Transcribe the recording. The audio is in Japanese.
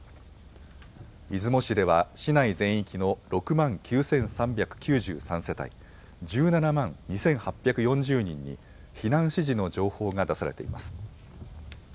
出雲市では市内全域の６万９３９３世帯１７万２８４０人に避難指示の情報が出されています。